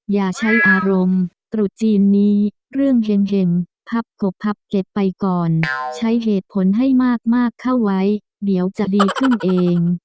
อย่าใช้อารมณ์ตรุษจีนนี้เรื่องเห็มพับกบพับเก็บไปก่อนใช้เหตุผลให้มากเข้าไว้เดี๋ยวจะดีขึ้นเอง